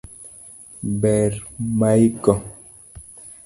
Ber maigo